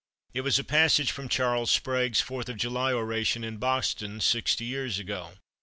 It was a passage from Charles Sprague's Fourth of July oration in Boston sixty years ago.